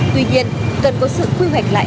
tuy nhiên cần có sự khuyên hành lại